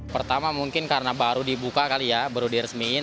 pertama mungkin karena baru dibuka kali ya baru diresmiin